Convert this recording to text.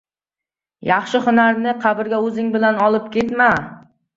• Yaxshi hunarni qabrga o‘zing bilan olib ketma.